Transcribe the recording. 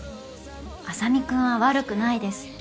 莇君は悪くないです。